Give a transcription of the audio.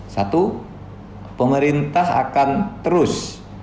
satu pemerintah akan terus